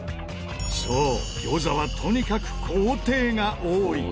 そう餃子はとにかく工程が多い。